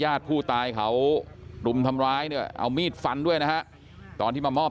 ญาติผู้ตายเขารุมทำร้ายเนี่ยเอามีดฟันด้วยนะฮะตอนที่มามอบ